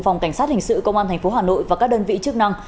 phòng cảnh sát hình sự công an tp hà nội và các đơn vị chức năng